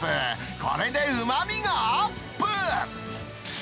これでうまみがアップ。